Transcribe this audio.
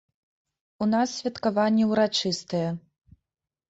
У нас святкаванне урачыстае.